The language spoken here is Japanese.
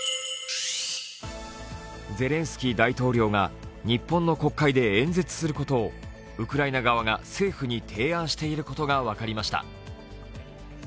ゼレンスキー大統領が日本の国会で演説することをウクライナ側が政府に提案していることが分かりました。